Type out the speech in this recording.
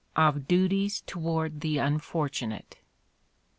_Of Duties toward the Unfortunate.